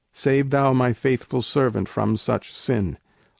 Save thou My faithful servant from such sin.